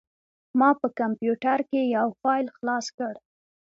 ما په کمپوټر کې یو فایل خلاص کړ.